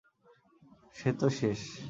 সে তো শেষ।